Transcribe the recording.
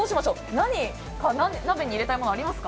何か鍋に入れたいものありますか？